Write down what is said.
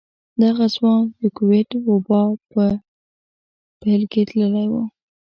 دغه ځوان د کوويډ وبا په پيل کې تللی و.